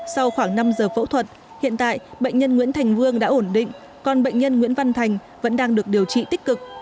sau khoảng năm giờ phẫu thuật hiện tại bệnh nhân nguyễn thành vương đã ổn định còn bệnh nhân nguyễn văn thành vẫn đang được điều trị tích cực